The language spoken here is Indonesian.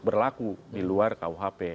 berlaku di luar rkuhp